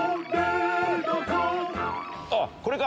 あっこれか。